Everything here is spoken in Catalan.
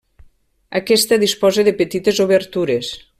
Aquesta disposa de petites obertures.